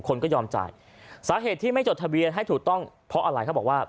คนก็ยอมจ่ายสาเหตุที่ไม่จดทะเบียนให้ถูกต้องเพราะอะไรเขาบอกว่า